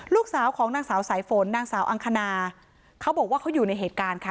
ลูกสาวของนางสาวสายฝนนางสาวอังคณาเขาบอกว่าเขาอยู่ในเหตุการณ์ค่ะ